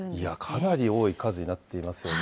かなり多い数になっていますよね。